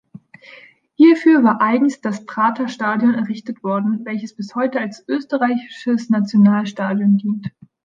Hierfür war eigens des Praterstadion errichtet worden, welches bis heute als österreichisches Nationalstadion dient.